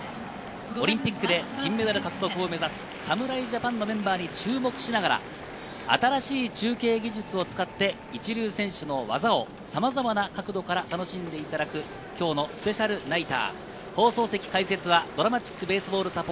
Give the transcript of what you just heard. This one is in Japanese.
オリンピックで金メダル獲得を目指す侍ジャパンのメンバーに注目しながら、新しい中継技術を使って一流選手の技をさまざまな角度から楽しんでいただく今日のスペシャルナイター。